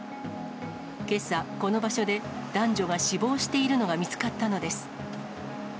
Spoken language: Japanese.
けさ、この場所で男女が死亡しているのが見つかったのです。